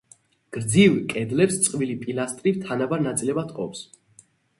გრძივ კედლებს წყვილი პილასტრი თანაბარ ნაწილებად ჰყოფს.